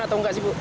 atau enggak sih bu